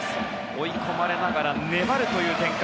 追い込まれながら粘るという展開。